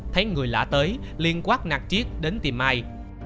thấy người lạ tới liên quát nạt triết đến tìm ai